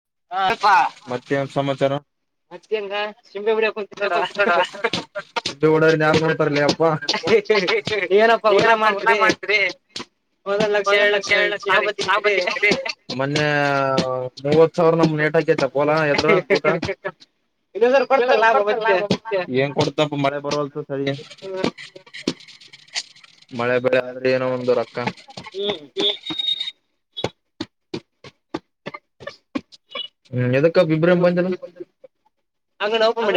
[unintelligible] Sir [unintelligible] ನಮ್ಮ ತಗೋಲ್ಲ ಎದ್ರ ಊಟ ಏನ್ [unintelligible] ಕೊಡ್ತಪ್ಪ ಮರ ಬರಲ್ಸ ಸರಿ ಮಳೆ ಬರಿ ಆದ್ರೆ [unintelligible] ಏನೋ ಒಂದು ರಕ್ಕ [unintelligible] [unintelligible]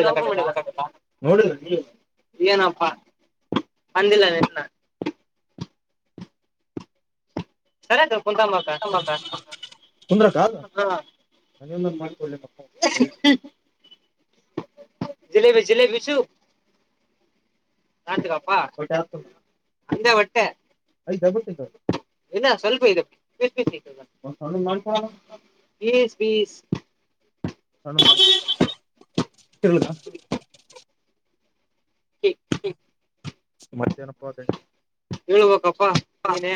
ಲ್ಲ [unintelligible] ಹರದು [unintelligible] ಕೊತ [unintelligible] ಜಿಲಬಿ ಜಿಲಬಿ [unintelligible] ಶು [unintelligible] [unintelligible] ಏನ ಸ್ವಲ್ಪ್ [unintelligible] [unintelligible] [unintelligible] ಮತ್ತೆನಪ್ಪಾ ಅದೆ [unintelligible] ಹೇಳ್ಬೇಕಪ್ಪಾ ನೀನೇ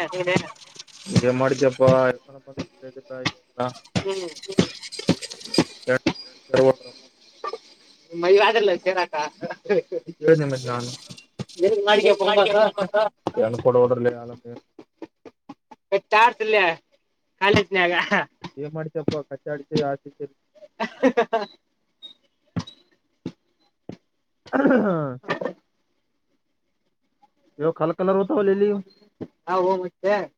[unintelligible] ಹ್ಮ್ [unintelligible] [unintelligible] [unintelligible] ಇಟ್ಟಾತಿನ್ರೆ [unintelligible] ಕಾಲೇಜನಾಗ ಏನ್ ಮಾಡ್ತಪ್ಪ [unintelligible] ಕಚ್ಚಾಡತ ಆಚ [unintelligible] [inaudible] ಹಾ ಮು [unintelligible]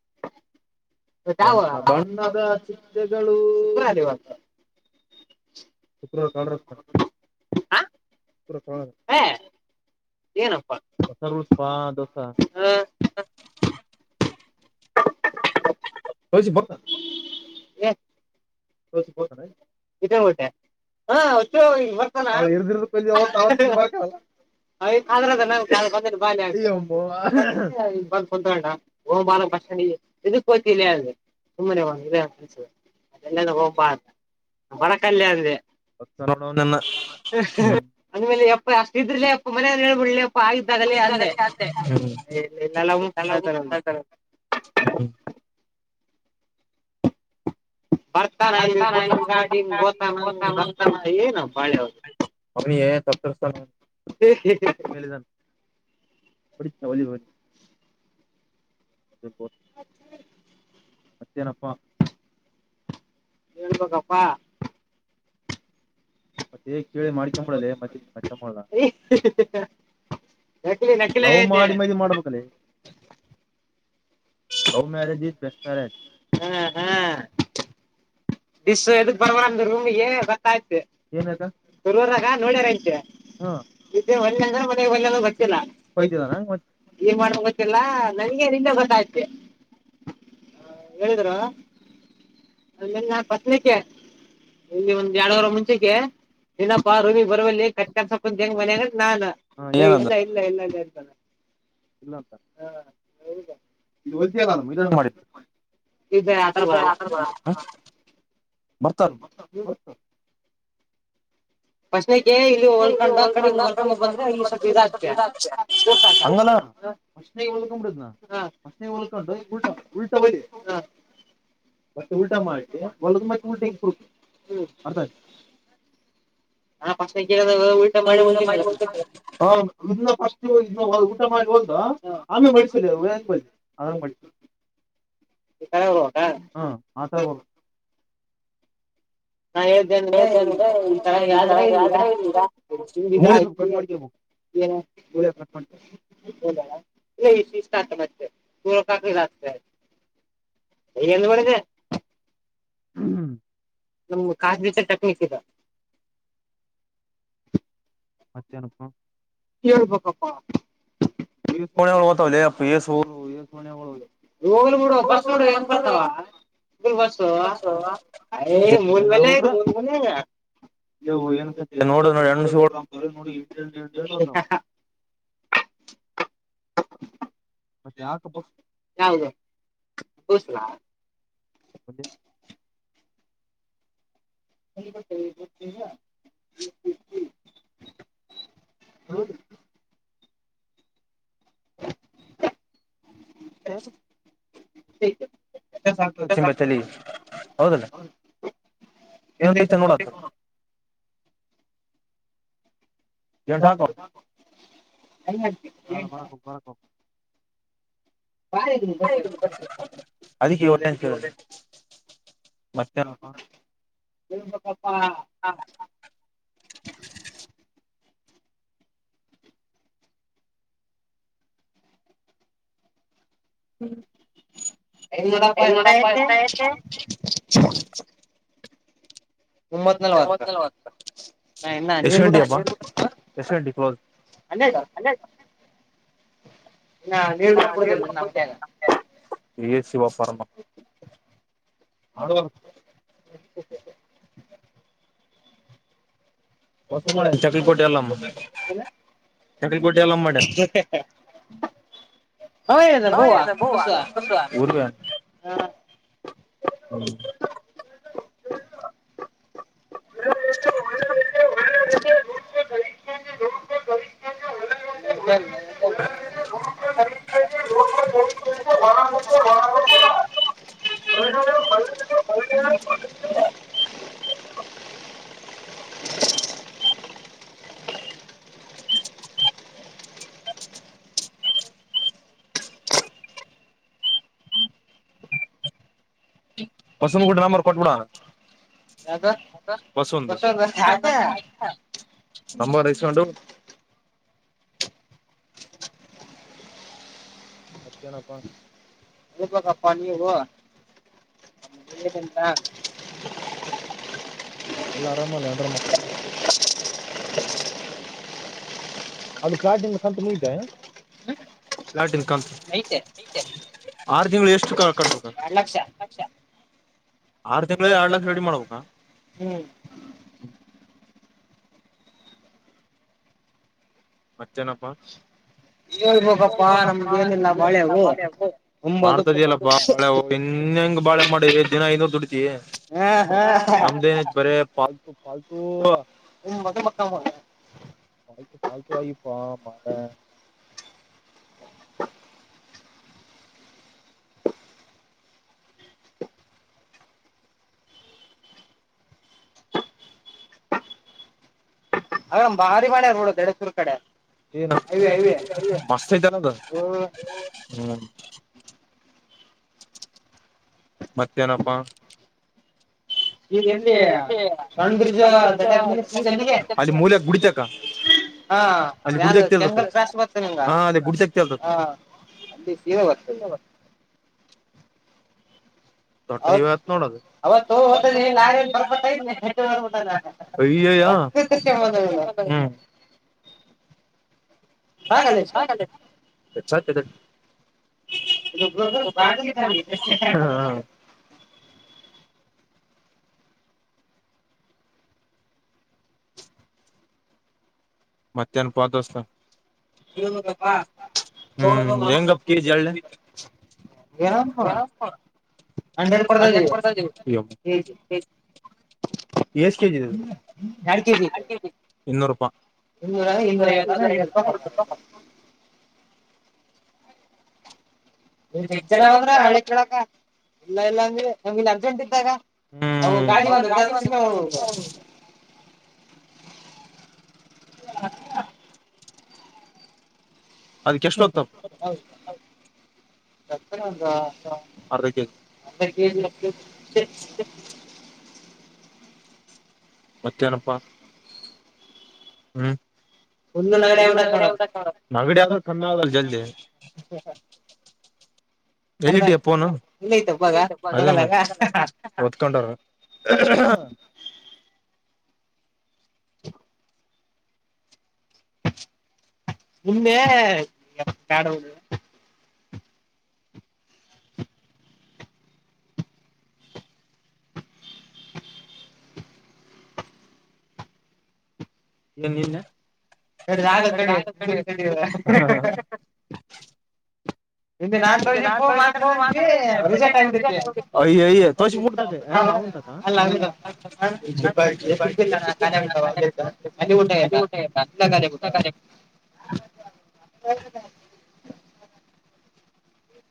ಕಾವ ಒ ಶುಕ್ರಲ್ಲಿವತ [unintelligible] ಶುಕ್ರ ಕಾಳ ರಣ ಶ್ರ ಕ [unintelligible] ಏನಪ್ಪಾ ಹ ಇಊಟ್ಟೆ ಹಾ ಬರ್ತಾನ [inaudible] ್ರದ ನ ಕ ಬಂದ ಬ ಆ ಬಂದ ಕುಂತಓಾರಕ್ ಬ. [unintelligible] ಇದಕ್ಕೋತಿಲ್ಲಿ ಅೆ ಸುಮ್ಮನೆಸ ಅದೆಲ್ಲ ಬಳಕಲ್ಲಿ ಆದದೆ. [unintelligible] ಅಮೇಲೆ ಎಪ್ಪ ಅಷ್ಟ ಇದ್ರಲ. ಅೆ. [unintelligible] ಚ. [inaudible] ಬರ್ತಾನುಟ್ಟಾಡಿ ಗೋತಾನ ಬರ್ತಾನಿ ಏ ನ ಬಾಳೆ ಹ. [unintelligible] ಹೊಡಿ ಒ ಬ. [unintelligible] ಮತ್ತೇನಪ್ಪ.. ಹೇಳ್ಬೇಕಪ್ಪಾ ಮತ್ತೆೇಗ್ ಕೇಳಿ ಮಾಡಕಡಲ್ಲ ಮದಕ ಲವ್ ಮಾಡಿ ಮದ ಮಾಡ್ಬೇಕಲ್ಲ. [unintelligible] ಹ ಹ. ಿಸ್ ಎಕ್ ಬರಣ ಅ ರೂಮ್ಿಗೆ ಏ. [unintelligible] ಆಯ್ ತರಾಗ ನೋಡ್ಯಾರಂಂತೆ ಒ ಮನೆ. [unintelligible] [unintelligible] ೊ ಏನ್ ಮಾಡ ಗೊತ್ತಿಲ್ಲ ನನಗೆ ನಿಂದೆ ಗೊತ್ತಾಗೆ. ಹ ಹೇಳಿದ್್ರ ಅ. [unintelligible] ಪತ್ನಕ್ಕೆ ಇಲ್ಲಿ ಒಂದ್ ಎರಡುವರ ಮುಂಚೆಗೆ. ಏನಪ್ಪಾ ಆ ರೂಮಿ ಬರುವಲ್ಲ ಕಟ್ಸ ಕು ಹೆಂಗ ಮನ್ಯಾಗ ನಾನ್ ಇಲ್ಲಾ ಇಲ್ಲ ಇಲ್ಲ ಇ. [unintelligible] ಹ್ಮ್ಮ್. [unintelligible] ಇಲ್ಲಂತ. ಹೌದಾ. ಇದು ಹೊಲ್ತಿಯಲ್ಲ ಅಲ್ಲ ಇದಂಗ ಮಾಡಿದ್ದ. [inaudible] [unintelligible] ಬರ್ತಾನ ಬರ್ತ. ಪಸ. [unintelligible] ಇಲ್ಲಿ ಹೊಲ್ಕೊಂಡ ಕಡೆ ಹೊಕ ಬಂದ್ರೆ ಸ್ವಲ್ಪ ಇದ. [unintelligible] [inaudible] ಹ. [unintelligible] ಊಟ ಮಾಡಿ [unintelligible] ಇದ ಊಟ ಮಾಡ [unintelligible] ನಾನ್ ಹೇಳ್ನೆ ಅಂದ್ರೆ ಈ ತರ ಆದ್ರೆ ಇಗ ಹ. [unintelligible] ಮಾಡಿದೆ. ಹ್ಮ್. ನಮ ಕಸ್ಬೀಚ ಟೆಕ್ನಿಕ್ ಇದೆ. ಮತ್ತೆ ಏನಪ್ಪ. ಕೇಳ್ಬೇಕಪ್ಪಾ. ಬಸ್ ನ ಹೆಂಗ ಬತಾವ ಬಸ್ ಹೌದು [unintelligible] ಸಲ [unintelligible] [unintelligible] ಹ್ಮ ಹಾ [unintelligible] [unintelligible] ಹೌದಲ್ಲ ಏನು ಚಂಗೋ [unintelligible] [unintelligible] ಹ್ ಅದಕ್ಕೆ [unintelligible] ಹ್ಮ್ ಎ [unintelligible] [unintelligible] [unintelligible] [unintelligible] ಹೊಸ ಮಾಡೆ ಚಕಲಿಪೋಟ್ಟಿ ಎಲ್ಲ ಚಕಲಿಪೋಟ್ಟಿ ಎಲ್ಲ ಮಾಡೆ [unintelligible] ಇಲ್ಲ [unintelligible] [unintelligible] ನೋಕ ಕ ನೋಕ ಕಳಟ್ಟರಟ್ಟ [unintelligible] ಹ [unintelligible] [unintelligible] [unintelligible] ಬಸವ ಗುಡ ನಾಮರು ಕೊಟ್ಬಿಡಣ. ವಸುಧ [unintelligible] ನಂಬ ರಸು. ಅತ್ತೇನಪ್ಪ. ರಪಾಗ ಪಾನಿ. [unintelligible] ಎಲ್ಲ ಅರಾಮಲ್ಲಟರ ಮ ಅದು ಫ್ಲಾಟ್ಂದ ಕಂತು ಮುಗ್ದೆ ಕಂ [unintelligible] ಆರು ತಿಂಗಳು ಎಷ್ಟು ಕ ಕಟ್ ಅ ನಲ್ಲ ಕ ಹ್ಮ್ [unintelligible] ಅಸ್ಟೆ ನಪ್ಪಾ [unintelligible] ಮಾಡ್ತ ಇದ್ಯಲ್ಲ ಬಾಳೆ ಇನ್ನಂಗ್ ಬಾಳೆ ಮಾಡಿ ದಿನ ಇನ್ನ ದುಡ್ಡ ಇ ನಮ್ದ ನ ಬರ ಪ [inaudible] ಫಲ್ತು ಇ ಮತ್ತೆ ಮತ್ತ ಪಾಲ್ತುವಾಗಿಯಿಪಾ ಮಾಡಾರ ಅ್ರ್ ಭಾರಿ ಮನೆಡು ದಡಸೂರ್ ಕಡೆ ಏ ನ ಮಸ್ತ ಐತಲ್ಲದು ಹ್ಮ್ [unintelligible] ಮತ್ತೇನಪ್ಪಾ [unintelligible] ಅದ ಮೂಲ್ಕ ಗುಡಿಸಕ ಅಲ್ಲಿ ಗುಡಿಸಕ್ ತಿಳ್ತತ್ತ ಹಾ ಅದ ಗುಡಿಸಕ್ ತಿಳ್ತತ್ತ ದೊಟ್ಟ ಇ ಆಯತ್ [unintelligible] ನೋಡದು ಅಯಯ್ಮ ಹಾಗಲ್ಲ ಹಾಗಲ್ಲ ಅ [inaudible] ಇ ಬಬ ಬಾಕಿ ತ ಮತ್ತನಪ್ ದೋಸ್ತ್ ಹೇಳ್ಬೇಕಪ್ಪ ಹೆಂಗ ಕೆ [unintelligible] ಎಸ್ ಕೆಜಿ ಇನ್ನೂರು ರೂಪಾಯ ಇರ ಇವರೆಗತ ಇರು ರೂಪಾಯ್ ಕೊಡ್ತ ತಂಗ ಜನ ಬಂದ್ರ ಹಳ್ಳಿ ಕೇಳಕ ಇಲ್ಲ ಇಲ್ಲಾಂದ್ರೆ ನಮ ಗಂ ಇದಿದ್ದಾಗ ಹ ಹ ಹ [inaudible] ಅದಕ್ಕೆ ಎಷ್ಟು ಹ್ತಪ್ಪ ಮತ್ತೇನಪ್ಪಾ ಹ್ಮ್ ನಂಗಡಿ ಆದ ಕನ್ನಲ್ಲ ಜಲ್ಜಿ ಎಲ್ಲಿಟ ಎಪ್ಪನು ಅ ಒತ್ಕೊಂಡರ ನಿಮ್ಮೆ ಬ್ಯಾಡವರು ಏ ನೀಲ್ಲ ನ [unintelligible] ನಿೆ ನಾನ್ ತಜಿ ಮಾತಾಡ್ತಿದ್ವಿ ರಿಸಟ್ ಆಗ್ಬಿಡ ಸಿಗ್ಿಲ್ಲ ನ ಖಊಟ ಅ ಅಲ್ಲಿ ಊಟ ಎಲ್ಲ ನಗಾಲ ಕಟ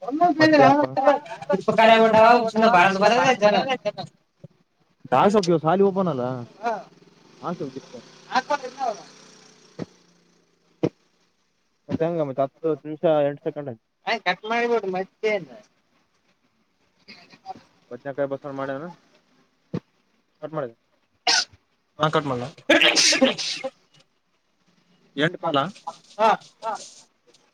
ಒೊಂದ ದಪ್ಪ ಕಳೆಬಟ್ಟವ ಬರದ ಬರದ ಜನ ಆಯ್ ಕಟ್ ಮಾಡಿಬಿಟ್ಟ ಮತ್ತೇನ್ ಹ ಬದಾ ಕಾಯ ಬಸವರ ಮಾಡೆ ಕಟ್ ಮಾಡಿದೆ ಹಾ ಕಟ್ ಮಾಡಲ [unintelligible] ಎಟು ಕಾಲ